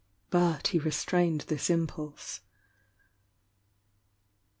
But he restraincfl this impulse.